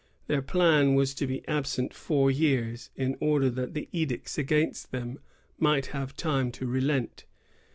Their plan was to be absent four years, in order that the edicts against them might have time to relent.